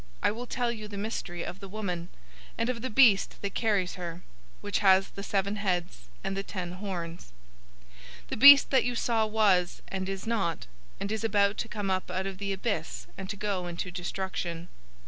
I will tell you the mystery of the woman, and of the beast that carries her, which has the seven heads and the ten horns. 017:008 The beast that you saw was, and is not; and is about to come up out of the abyss and to go into destruction.